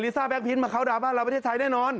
ซ่าแก๊พิ้นมาเข้าดาวบ้านเราประเทศไทยแน่นอน